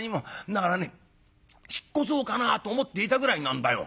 だからね引っ越そうかなと思っていたぐらいなんだよ。